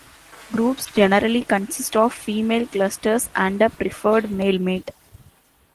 Groups generally consist of female clusters and a preferred male mate.